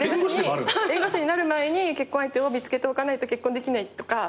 弁護士になる前に結婚相手を見つけておかないと結婚できないとか。